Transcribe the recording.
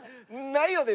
ないよね？